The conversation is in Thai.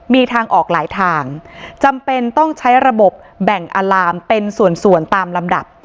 มีทางออกหลายทางจำเป็นต้องใช้ระบบแบ่งอาลามเป็นส่วนตามลำดับ